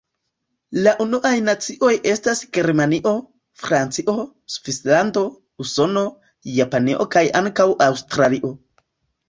La unuaj nacioj estas Germanio, Francio, Svislando, Usono, Japanio kaj ankaŭ Aŭstralio.